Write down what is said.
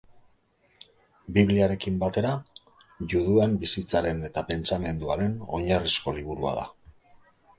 Bibliarekin batera, juduen bizitzaren eta pentsamenduaren oinarrizko liburua da.